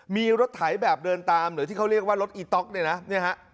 มีรถไถแบบเดินตามหรือที่เขาเรียกว่ารถอีต๊อกเนี่ยนะเนี่ยฮะ